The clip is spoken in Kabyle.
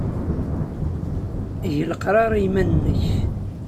Eg leqrar i yiman-nnek.